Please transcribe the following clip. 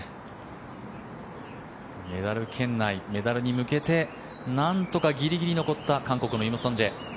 メダル圏内メダルに向けてなんとかギリギリ残った韓国のイム・ソンジェ。